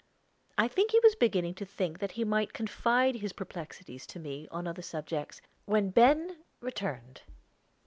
I think he was beginning to think that he might confide his perplexities to me on other subjects, when Ben returned.